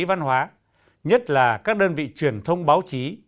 văn hóa nhất là các đơn vị truyền thông báo chí